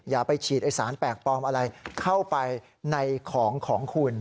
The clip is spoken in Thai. อย่าไปฉีดไอ้สารแปลกปลอมอะไรเข้าไปในของของคุณ